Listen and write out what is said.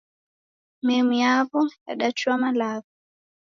Memu yaw'o yadachua malagho.